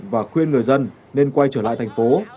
và khuyên người dân nên quay trở lại thành phố